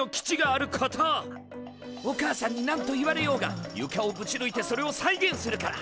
お母さんに何と言われようがゆかをぶちぬいてそれを再現するから。